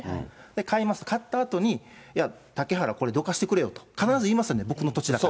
買います、買ったあとに、いや、嵩原、これどかしてくれよと、必ず言いますよね、僕の土地だから。